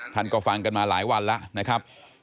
ท่านก็ฟังกันมาหลายวันแล้วนะครับ